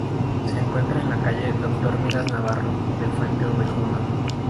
Se encuentra en la calle Doctor Miras Navarro de Fuente Obejuna.